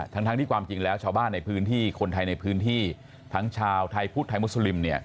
ทั้งที่ความจริงแล้วชาวบ้านในพื้นที่คนไทยในพื้นที่ทั้งชาวไทยพุทธไทยมุสลิม